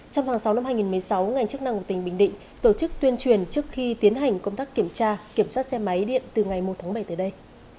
trong tháng sáu năm hai nghìn một mươi sáu ngành chức năng của tỉnh bình định tổ chức tuyên truyền trước khi tiến hành công tác kiểm tra kiểm soát xe máy điện từ ngày một tháng bảy tới đây